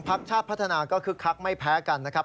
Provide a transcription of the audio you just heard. ชาติพัฒนาก็คึกคักไม่แพ้กันนะครับ